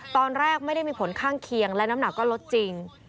ตอนแรกไม่ได้มีผลข้างเคียงและน้ำหนักก็ลดจริง